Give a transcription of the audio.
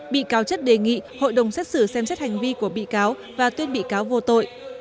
bị cáo chất đề nghị hội đồng xét xử xem xét hành vi của bị cáo và tuyên bị cáo vô tội